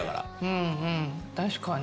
うんうん確かに。